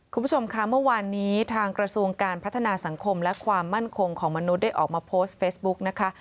คุณผู้ชมค่ะเมื่อวานนี้ทางกระทรวงการพัฒนาสังคมและความมั่นคงของมนุษย์ได้ออกมาโพสต์เฟซบุ๊กนะคะ